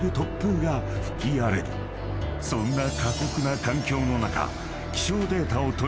［そんな過酷な環境の中］